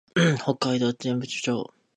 北海道剣淵町